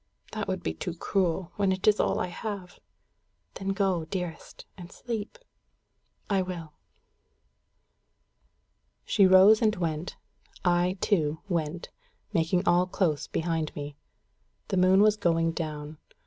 "That would be too cruel, when it is all I have." "Then go, dearest, and sleep." "I will." She rose and went. I, too, went, making all close behind me. The moon was going down.